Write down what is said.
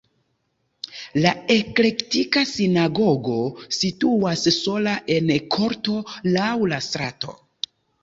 La eklektika sinagogo situas sola en korto laŭ la strato.